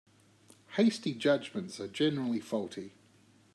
Hasty judgements are generally faulty.